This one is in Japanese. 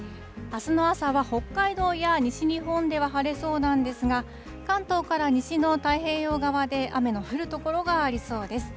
あすの朝は北海道や西日本では晴れそうなんですが、関東から西の太平洋側で雨の降る所がありそうです。